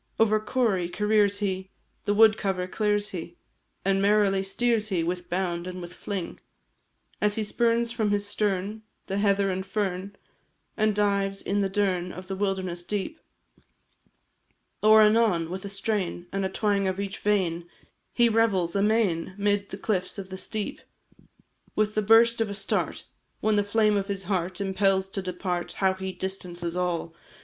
Over corrie careers he, The wood cover clears he, And merrily steers he With bound, and with fling, As he spurns from his stern The heather and fern, And dives in the dern Of the wilderness deep; Or, anon, with a strain, And a twang of each vein He revels amain 'Mid the cliffs of the steep. With the burst of a start When the flame of his heart Impels to depart, How he distances all!